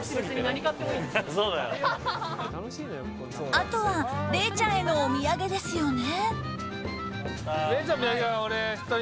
あとは礼ちゃんへのお土産ですよね？